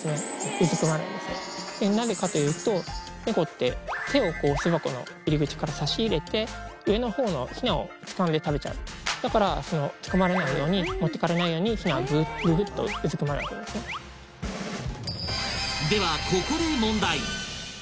うずくまるんですなぜかというと猫って手をこう巣箱の入り口から差し入れて上のほうのヒナをつかんで食べちゃうだからそのつかまれないように持って行かれないようにヒナはぐぐっとうずくまるわけですねではここで問題